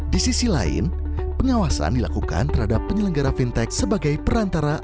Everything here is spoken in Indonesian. di sisi lain pengawasan dilakukan terhadap penyelenggara fintech sebagai perantara